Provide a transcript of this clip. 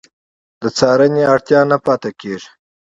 د څارنې اړتیا نه پاتې کېږي.